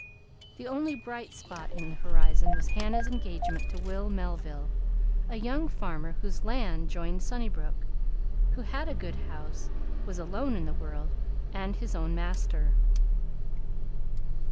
The only bright spot in the horizon was Hannah's engagement to Will Melville, a young farmer whose land joined Sunnybrook, who had a good house, was alone in the world, and his own master.